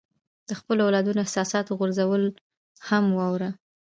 د خپلو اولادونو د احساساتو غورځېدل هم واوره.